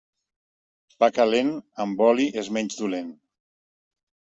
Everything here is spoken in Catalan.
Pa calent, amb oli és menys dolent.